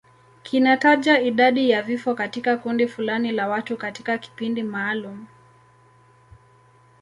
Kinataja idadi ya vifo katika kundi fulani la watu katika kipindi maalum.